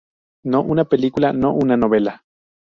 No una película, no una novela.